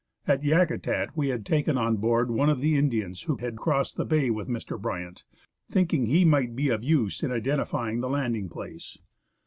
At Yakutat we had taken on board one of the Indians who had crossed the bay with Mr, Bryant, thinking he might be of use in identifying the landing place.